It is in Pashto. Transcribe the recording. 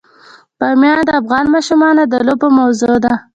بامیان د افغان ماشومانو د لوبو موضوع ده.